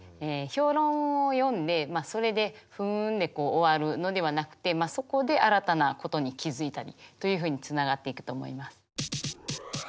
評論を読んでそれで「ふん」で終わるのではなくてそこで新たなことに気付いたりというふうにつながっていくと思います。